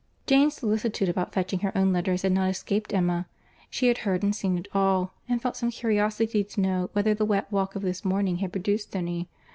Jane's solicitude about fetching her own letters had not escaped Emma. She had heard and seen it all; and felt some curiosity to know whether the wet walk of this morning had produced any.